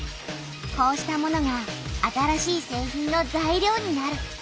こうしたものが新しい製品の材料になる。